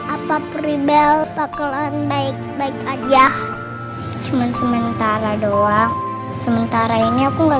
apa pribel pakelan baik baik aja cuman sementara doang sementara ini aku nggak